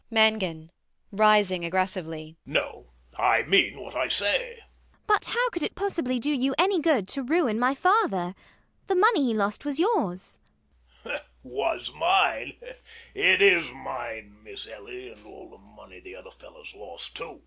MANGAN [rising aggressively]. No. I mean what I say. ELLIE. But how could it possibly do you any good to ruin my father? The money he lost was yours. MANGAN [with a sour laugh]. Was mine! It is mine, Miss Ellie, and all the money the other fellows lost too.